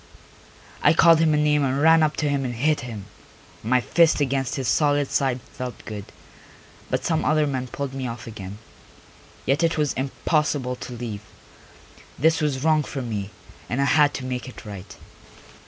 I called him a name and ran up to him and hit him; my fist against his solid side felt good, but some other men pulled me off again. Yet it was impossible to leave. This was wrong for me, and I had to make it right.